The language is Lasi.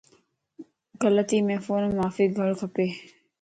غلطيءَ مَ فوران معافي گڙ کپ